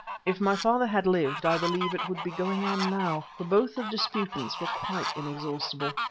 If my father had lived I believe it would be going on now, for both the disputants were quite inexhaustible.